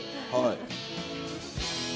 はい。